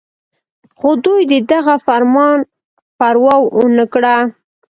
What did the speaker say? خو دوي د دغه فرمان پروا اونکړه